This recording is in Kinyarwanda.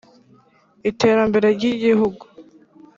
iterambere ry'igihugu.